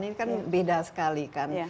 ini kan beda sekali kan